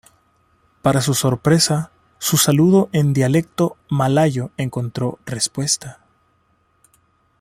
Para su sorpresa, su saludo en dialecto malayo encontró respuesta.